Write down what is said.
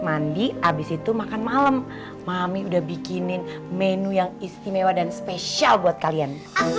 mandi abis itu makan malam mami udah bikinin menu yang istimewa dan spesial buat kalian